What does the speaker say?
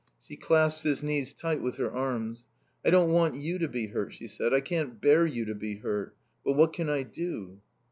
She clasped his knees tight with her arms. "I don't want you to be hurt," she said. "I can't bear you to be hurt. But what can I do?"